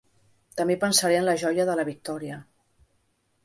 També pensaré en la joia de la victòria.